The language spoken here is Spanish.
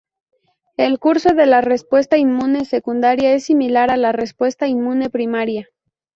El curso de la respuesta inmune secundaria es similar a la respuesta inmune primaria.